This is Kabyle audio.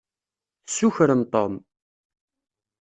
Tessukrem Tom.